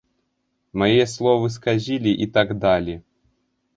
Мае словы сказілі і так далі.